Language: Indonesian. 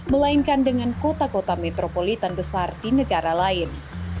melainkan dengan kota kota metropolitan besar di negara lain